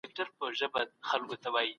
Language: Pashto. که ذمي ووژل سي قاتل به هم ووژل سي.